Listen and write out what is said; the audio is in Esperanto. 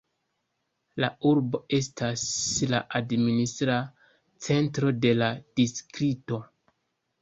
La urbo estas la administra centro de la distrikto.